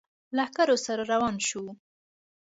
لښکرو سره روان شو.